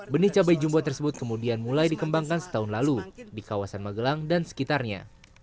benih cabai jumbo tersebut kemudian mulai dikembangkan setahun lalu di kawasan magelang dan sekitarnya